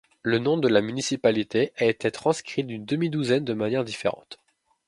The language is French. Le nom de la municipalité a été transcrit d'une demi-douzaine de manières différentes.